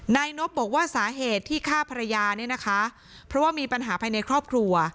นายนบบอกว่าสาเหตุที่ฆ่าภรรยาเนี่ยนะคะเพราะว่ามีปัญหาภายในครอบครัว